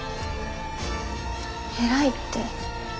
偉いって。